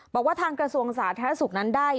บอกว่าทางกระทรวงสาธารณสุขนั้นได้